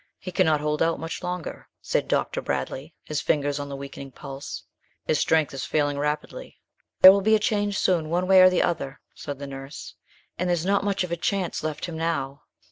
"He cannot hold out much longer," said Dr. Bradley, his fingers on the weakening pulse, "his strength is failing rapidly." "There will be a change soon, one way or the other," said the nurse, "and there's not much of a chance left him now."